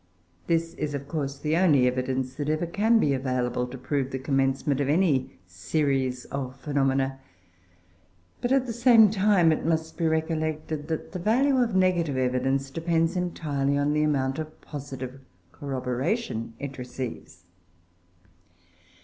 This is, of course, the only evidence that ever can be available to prove the commencement of any series of phenomena; but, at the same time, it must be recollected that the value of negative evidence depends entirely on the amount of positive corroboration it receives.